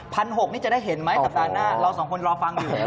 หกนี่จะได้เห็นไหมสัปดาห์หน้าเราสองคนรอฟังอยู่